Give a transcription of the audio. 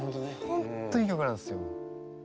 本当いい曲なんですよ。